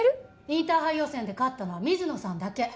インターハイ予選で勝ったのは水野さんだけ。